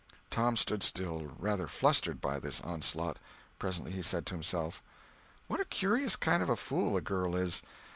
Tom stood still, rather flustered by this onslaught. Presently he said to himself: "What a curious kind of a fool a girl is!